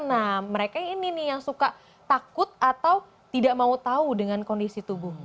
nah mereka ini nih yang suka takut atau tidak mau tahu dengan kondisi tubuh